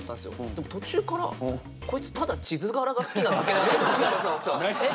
でも途中からこいつただ地図柄が好きなだけじゃねえか。